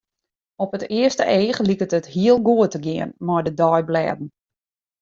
Op it earste each liket it hiel goed te gean mei de deiblêden.